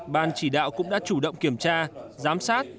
ban chỉ đạo cũng đã chủ động kiểm tra giám sát